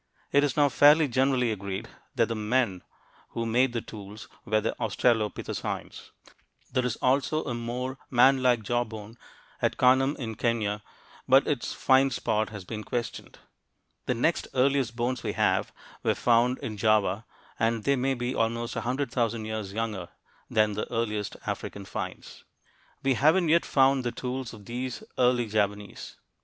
It is now fairly generally agreed that the "men" who made the tools were the australopithecines. There is also a more "man like" jawbone at Kanam in Kenya, but its find spot has been questioned. The next earliest bones we have were found in Java, and they may be almost a hundred thousand years younger than the earliest African finds. We haven't yet found the tools of these early Javanese.